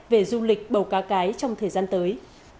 về du lịch bầu cá cái trong thời gian tới